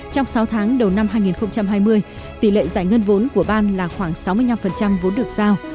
trong sáu tháng đầu năm hai nghìn hai mươi tỷ lệ giải ngân vốn của ban là khoảng sáu mươi năm vốn được giao